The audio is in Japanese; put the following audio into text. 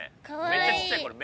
めっちゃちっちゃいこれ。